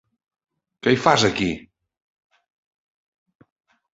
I què hi fas, aquí?